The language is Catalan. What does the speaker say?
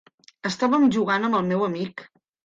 Estàvem jugant amb el meu amic.